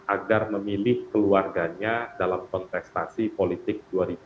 agar memilih keluarganya dalam kontestasi politik dua ribu dua puluh